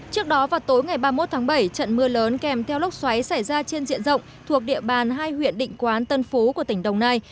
trước đó vào tối ngày ba mươi một tháng bảy trận mưa lớn kèm theo lốc xoáy xảy ra trên diện rộng thuộc địa bàn hai huyện định quán tân phú của tỉnh đồng nai